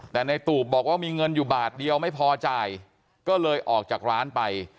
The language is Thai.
แต่ในตูบบอกว่ามีเงินอยู่บาทเดียวไม่พอจ่ายก็เลยออกจากร้านไป